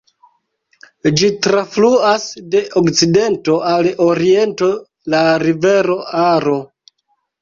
Ĝi trafluas de okcidento al oriento la rivero Aro.